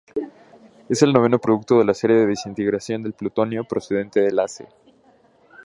Es el noveno producto de la serie de desintegración del plutonio, procedente del Ac.